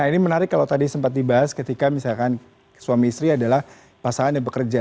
nah ini menarik kalau tadi sempat dibahas ketika misalkan suami istri adalah pasangan yang bekerja